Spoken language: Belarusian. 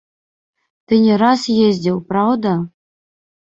Ты не раз ездзіў, праўда?